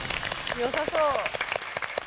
良さそう。